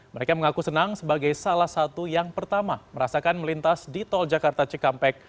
mereka mengaku senang sebagai salah satu yang pertama merasakan melintas di tol jakarta cikampek